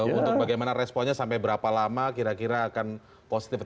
untuk bagaimana responnya sampai berapa lama kira kira akan positif